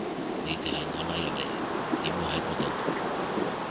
你哋係我拉入嚟，點會喺嗰度